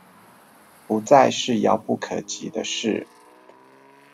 不再是遙不可及的事